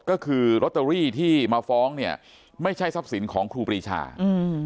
ก็คือลอตเตอรี่ที่มาฟ้องเนี่ยไม่ใช่ทรัพย์สินของครูปรีชาอืม